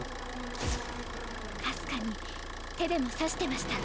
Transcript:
かすかに手でも指してました。